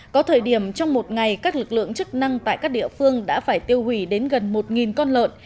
có thời điểm trong một ngày các lực lượng chức năng tại các địa phương đã phải tiêu hủy đến gần một con lợn